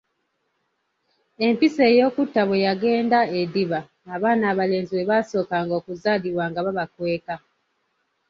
Empisa ey’okutta bwe yagenda ediba, abaana abalenzi bwe baasookanga okuzaalibwa nga babakweka.